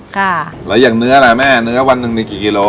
ค่ะแล้วอย่างเนื้ออะไรแม่เนื้อวันหนึ่งนี่กี่กิโล